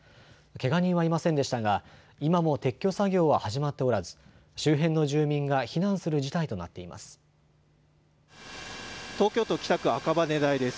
けが人はいませんでしたが今も撤去作業は始まっておらず周辺の住民が避難する事態となっています。